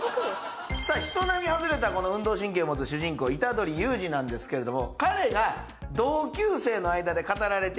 さあ人並み外れたこの運動神経を持つ主人公虎杖悠仁なんですけれども。